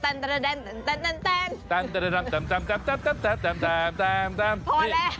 พอแล้ว